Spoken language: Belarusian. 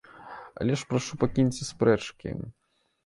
Але ж прашу, пакіньце спрэчкі.